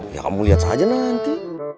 ya kamu lihat saja nanti